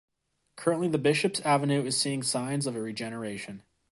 Currently The Bishops Avenue is seeing signs of a regeneration.